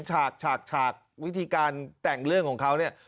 ฉากฉากวิธีการแต่งเรื่องของเขาเนี่ย